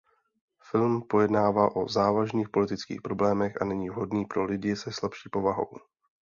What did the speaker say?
Film pojednává o závažných politických problémech a není vhodný pro lidi se slabší povahou.